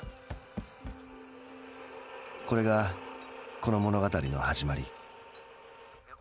これがこの物語のはじまり。